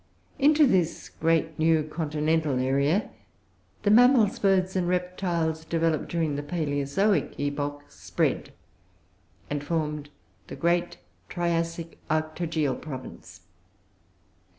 Into this great new continental area the Mammals, Birds, and Reptiles developed during the Palaeozoic epoch spread, and formed the great Triassic Arctogaeal province.